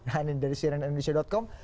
nah ini dari cnn indonesia com